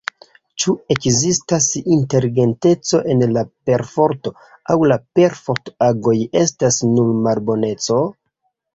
Ĉu ekzistas inteligenteco en la perforto, aŭ la perfort-agoj estas nur malboneco?